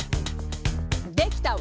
「できた！」